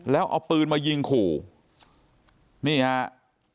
แล้วเอาปืนมายิงขู่นี่ฮะ